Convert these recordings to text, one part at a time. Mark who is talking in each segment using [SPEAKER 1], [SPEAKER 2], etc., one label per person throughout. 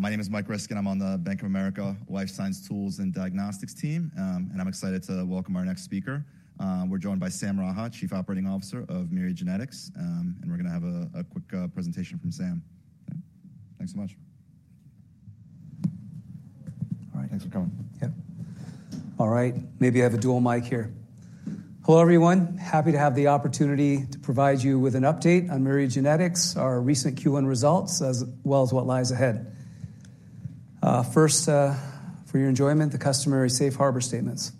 [SPEAKER 1] ...My name is Mike Ryskin. I'm on the Bank of America Life Science Tools and Diagnostics team, and I'm excited to welcome our next speaker. We're joined by Sam Raha, Chief Operating Officer of Myriad Genetics, and we're going to have a quick presentation from Sam. Thanks so much.
[SPEAKER 2] All right.
[SPEAKER 1] Thanks for coming.
[SPEAKER 2] Yep. All right, maybe I have a dual mic here. Hello, everyone. Happy to have the opportunity to provide you with an update on Myriad Genetics, our recent Q1 results, as well as what lies ahead. First, for your enjoyment, the customary safe harbor statements.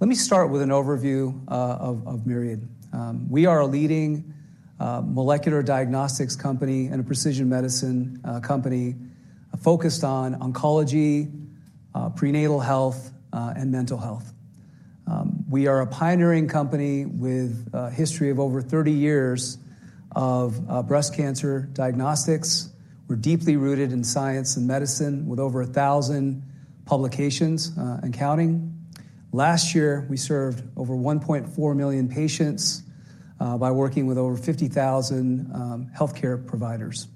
[SPEAKER 2] Let me start with an overview of Myriad. We are a leading molecular diagnostics company and a precision medicine company focused on oncology, prenatal health, and mental health. We are a pioneering company with a history of over 30 years of breast cancer diagnostics. We're deeply rooted in science and medicine, with over 1,000 publications and counting. Last year, we served over 1.4 million patients by working with over 50,000 healthcare providers.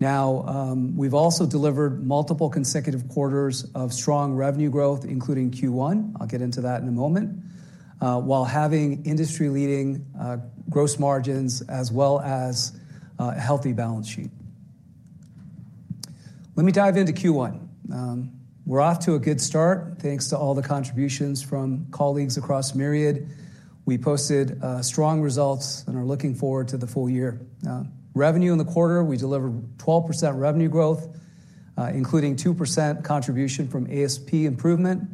[SPEAKER 2] Now, we've also delivered multiple consecutive quarters of strong revenue growth, including Q1. I'll get into that in a moment. While having industry-leading gross margins as well as a healthy balance sheet. Let me dive into Q1. We're off to a good start. Thanks to all the contributions from colleagues across Myriad. We posted strong results and are looking forward to the full year. Revenue in the quarter, we delivered 12% revenue growth, including 2% contribution from ASP improvement.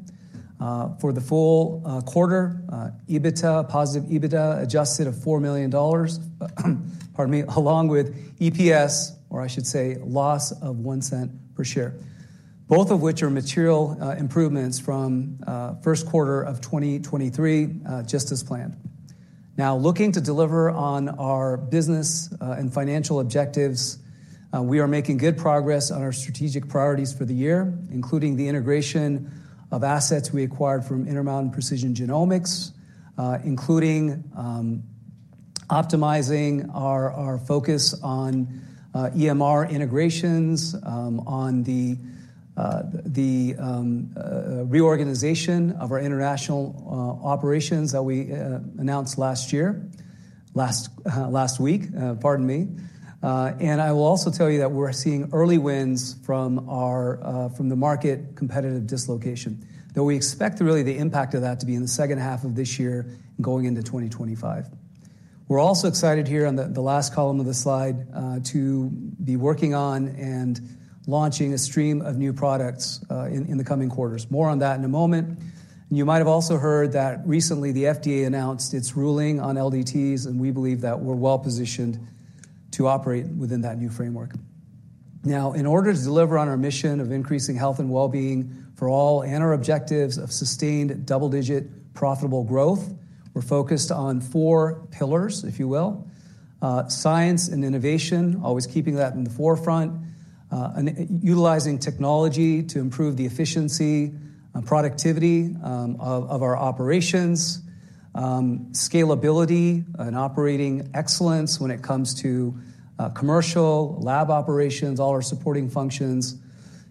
[SPEAKER 2] For the full quarter, EBITDA, positive EBITDA, adjusted of $4 million, pardon me, along with EPS, or I should say, loss of $0.01 per share, both of which are material improvements from first quarter of 2023, just as planned. Now, looking to deliver on our business, and financial objectives, we are making good progress on our strategic priorities for the year, including the integration of assets we acquired from Intermountain Precision Genomics, including optimizing our focus on EMR integrations, on the reorganization of our international operations that we announced last year. Last week, pardon me. And I will also tell you that we're seeing early wins from the market competitive dislocation, though we expect really the impact of that to be in the second half of this year, going into 2025. We're also excited here on the last column of the slide, to be working on and launching a stream of new products, in the coming quarters. More on that in a moment. You might have also heard that recently the FDA announced its ruling on LDTs, and we believe that we're well-positioned to operate within that new framework. Now, in order to deliver on our mission of increasing health and well-being for all and our objectives of sustained double-digit profitable growth, we're focused on four pillars, if you will. Science and innovation, always keeping that in the forefront, and utilizing technology to improve the efficiency and productivity of our operations, scalability and operating excellence when it comes to commercial, lab operations, all our supporting functions,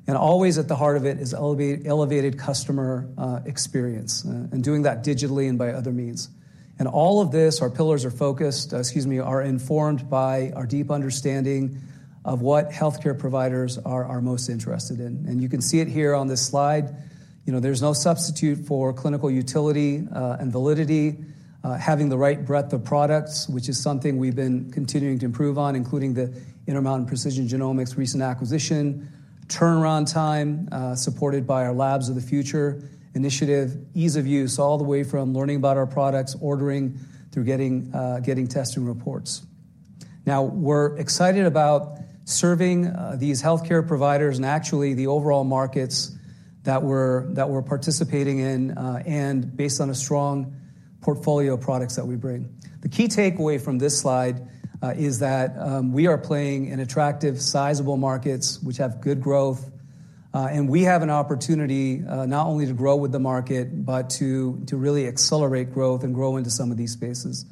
[SPEAKER 2] and always at the heart of it is elevated customer experience, and doing that digitally and by other means. And all of this, our pillars are focused, excuse me, are informed by our deep understanding of what healthcare providers are most interested in. You can see it here on this slide. You know, there's no substitute for clinical utility, and validity, having the right breadth of products, which is something we've been continuing to improve on, including the Intermountain Precision Genomics recent acquisition, turnaround time, supported by our Labs of the Future initiative, ease of use, all the way from learning about our products, ordering, through getting getting testing reports. Now, we're excited about serving these healthcare providers, and actually the overall markets that we're participating in, and based on a strong portfolio of products that we bring. The key takeaway from this slide is that we are playing in attractive, sizable markets which have good growth, and we have an opportunity not only to grow with the market, but to really accelerate growth and grow into some of these spaces.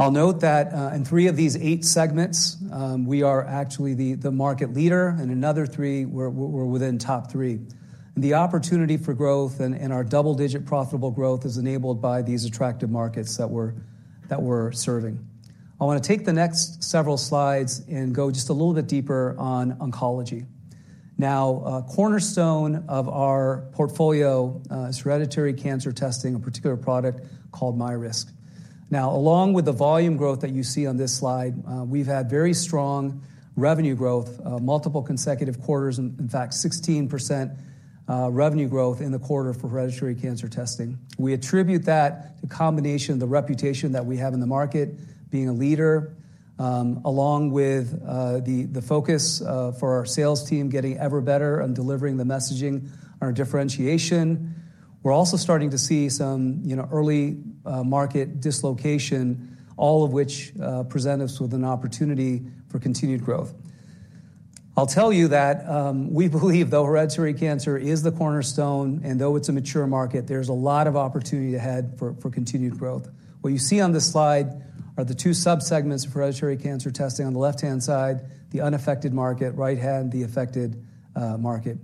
[SPEAKER 2] I'll note that in three of these eight segments we are actually the market leader, and another three, we're within top three. The opportunity for growth and our double-digit profitable growth is enabled by these attractive markets that we're serving. I want to take the next several slides and go just a little bit deeper on oncology. Now, a cornerstone of our portfolio is hereditary cancer testing, a particular product called MyRisk. Now, along with the volume growth that you see on this slide, we've had very strong revenue growth, multiple consecutive quarters, in fact, 16% revenue growth in the quarter for hereditary cancer testing. We attribute that to combination, the reputation that we have in the market, being a leader, along with the focus for our sales team, getting ever better and delivering the messaging, our differentiation. We're also starting to see some, you know, early market dislocation, all of which present us with an opportunity for continued growth. I'll tell you that, we believe though hereditary cancer is the cornerstone, and though it's a mature market, there's a lot of opportunity ahead for continued growth. What you see on this slide are the two subsegments of hereditary cancer testing. On the left-hand side, the unaffected market, right-hand, the affected market.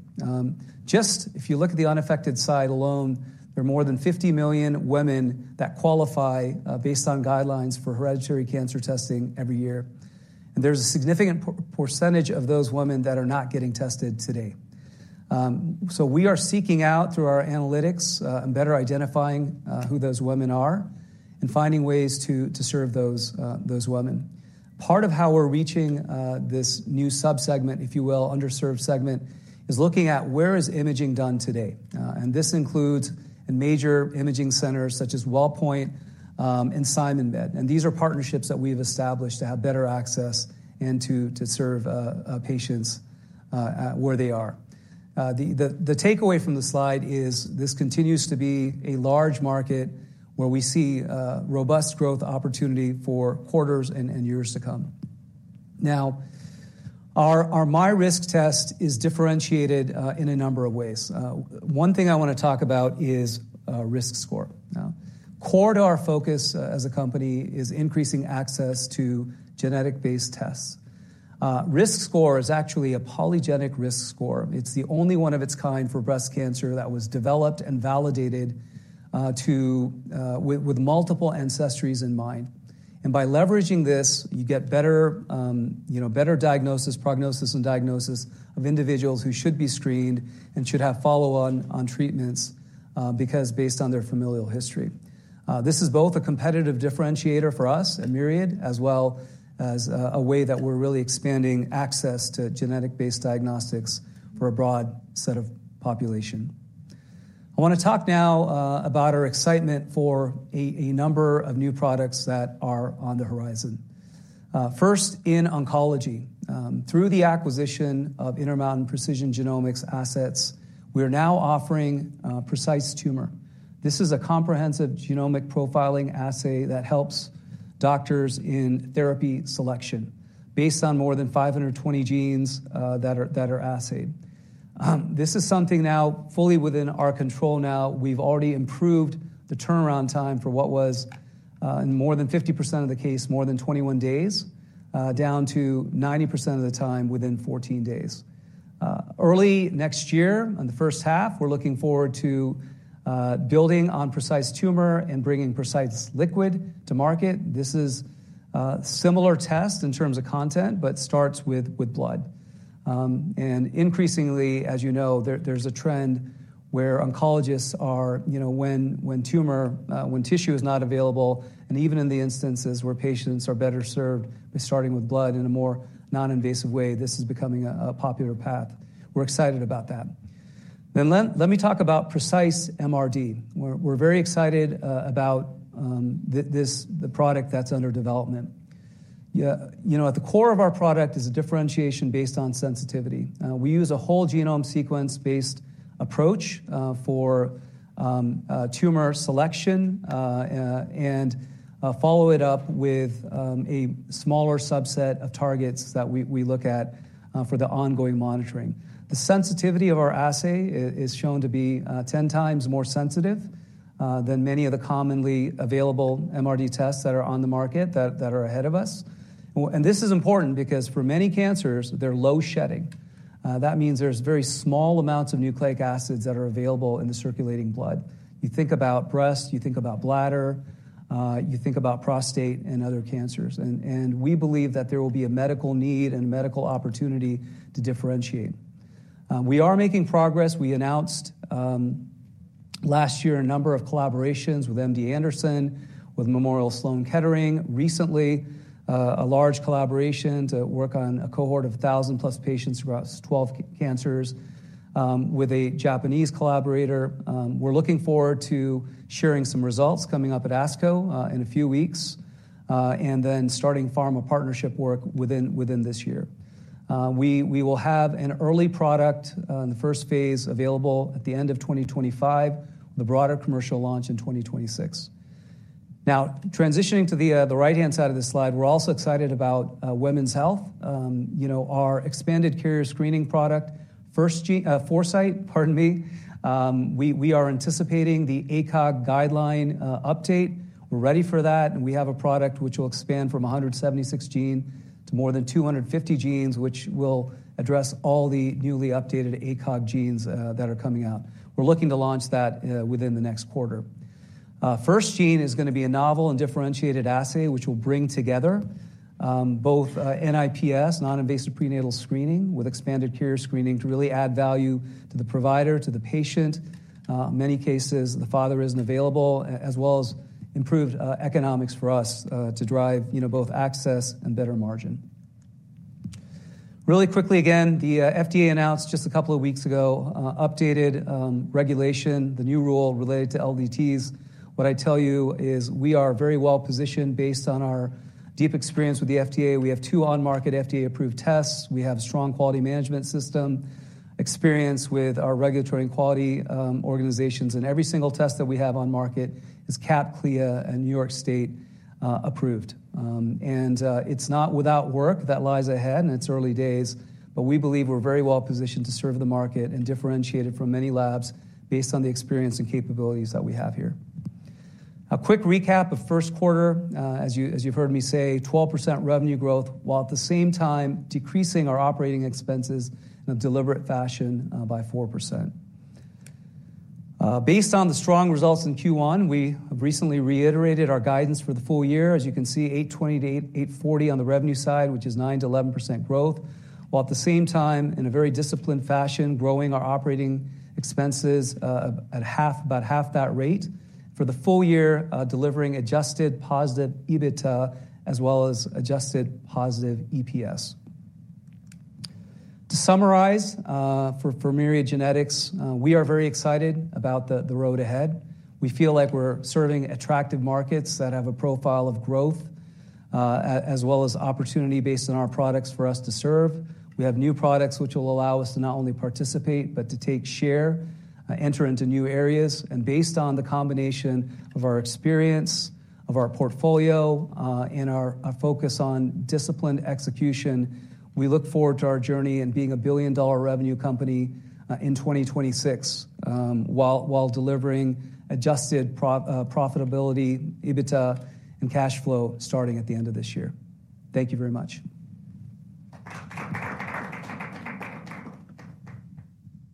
[SPEAKER 2] Just if you look at the unaffected side alone, there are more than 50 million women that qualify, based on guidelines for hereditary cancer testing every year. And there's a significant percentage of those women that are not getting tested today. So we are seeking out through our analytics, and better identifying, who those women are, and finding ways to serve those women. Part of how we're reaching, this new subsegment, if you will, underserved segment, is looking at where is imaging done today? And this includes in major imaging centers such as Wellpoint, and SimonMed. And these are partnerships that we've established to have better access and to serve patients where they are. The takeaway from the slide is this continues to be a large market where we see robust growth opportunity for quarters and years to come. Now, our MyRisk test is differentiated in a number of ways. One thing I want to talk about is RiskScore. Now, core to our focus as a company is increasing access to genetic-based tests. RiskScore is actually a polygenic risk score. It's the only one of its kind for breast cancer that was developed and validated with multiple ancestries in mind. And by leveraging this, you get better, you know, better diagnosis, prognosis, and diagnosis of individuals who should be screened and should have follow on treatments because based on their familial history. This is both a competitive differentiator for us at Myriad, as well as a way that we're really expanding access to genetic-based diagnostics for a broad set of population. I want to talk now about our excitement for a number of new products that are on the horizon. First, in oncology. Through the acquisition of Intermountain Precision Genomics assets, we are now offering Precise Tumor. This is a comprehensive genomic profiling assay that helps doctors in therapy selection based on more than 520 genes that are assayed. This is something now fully within our control now. We've already improved the turnaround time for what was in more than 50% of the case, more than 21 days down to 90% of the time, within 14 days. Early next year, on the first half, we're looking forward to building on Precise Tumor and bringing Precise Liquid to market. This is similar test in terms of content, but starts with blood. And increasingly, as you know, there's a trend where oncologists are, you know, when tumor tissue is not available, and even in the instances where patients are better served by starting with blood in a more non-invasive way, this is becoming a popular path. We're excited about that. Then let me talk about Precise MRD. We're very excited about this, the product that's under development. Yeah, you know, at the core of our product is a differentiation based on sensitivity. We use a whole genome sequence-based approach for tumor selection and follow it up with a smaller subset of targets that we look at for the ongoing monitoring. The sensitivity of our assay is shown to be 10 times more sensitive than many of the commonly available MRD tests that are on the market that are ahead of us. And this is important because for many cancers, they're low shedding. That means there's very small amounts of nucleic acids that are available in the circulating blood. You think about breast, you think about bladder, you think about prostate and other cancers. And we believe that there will be a medical need and medical opportunity to differentiate. We are making progress. We announced last year a number of collaborations with MD Anderson, with Memorial Sloan Kettering. Recently a large collaboration to work on a cohort of 1,000+ patients across 12 cancers with a Japanese collaborator. We're looking forward to sharing some results coming up at ASCO in a few weeks, and then starting pharma partnership work within this year. We will have an early product in the first phase available at the end of 2025, the broader commercial launch in 2026. Now, transitioning to the right-hand side of the slide, we're also excited about women's health. You know, our expanded carrier screening product, First Ge-- Foresight, pardon me. We are anticipating the ACOG guideline update. We're ready for that, and we have a product which will expand from 176 gene to more than 250 genes, which will address all the newly updated ACOG genes that are coming out. We're looking to launch that within the next quarter. FirstGene is gonna be a novel and differentiated assay, which will bring together both NIPS, non-invasive prenatal screening, with expanded carrier screening to really add value to the provider, to the patient, many cases, the father isn't available, as well as improved economics for us to drive, you know, both access and better margin. Really quickly, again, the FDA announced just a couple of weeks ago updated regulation, the new rule related to LDTs. What I tell you is we are very well-positioned based on our deep experience with the FDA. We have two on-market FDA approved tests. We have strong quality management system, experience with our regulatory and quality, organizations, and every single test that we have on market is CAP, CLIA, and New York State approved. It's not without work that lies ahead, and it's early days, but we believe we're very well-positioned to serve the market and differentiate it from many labs based on the experience and capabilities that we have here. A quick recap of first quarter, as you've heard me say, 12% revenue growth, while at the same time, decreasing our operating expenses in a deliberate fashion, by 4%. Based on the strong results in Q1, we have recently reiterated our guidance for the full year. As you can see, $820-$840 on the revenue side, which is 9%-11% growth, while at the same time, in a very disciplined fashion, growing our operating expenses at half, about half that rate. For the full year, delivering adjusted positive EBITDA, as well as adjusted positive EPS. To summarize, for Myriad Genetics, we are very excited about the road ahead. We feel like we're serving attractive markets that have a profile of growth, as well as opportunity based on our products for us to serve. We have new products which will allow us to not only participate, but to take share, enter into new areas, and based on the combination of our experience, of our portfolio, and our, our focus on disciplined execution, we look forward to our journey and being a billion-dollar revenue company in 2026, while, while delivering adjusted profitability, EBITDA, and cash flow starting at the end of this year. Thank you very much.